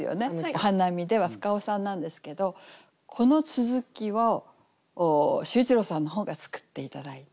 「お花見で」は深尾さんなんですけどこの続きを秀一郎さんの方が作って頂いて。